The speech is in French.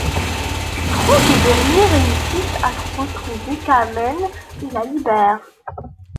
Frank et Bernie réussissent à retrouver Carmen et la libèrent.